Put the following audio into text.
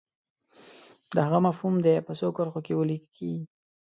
د هغو مفهوم دې په څو کرښو کې ولیکي.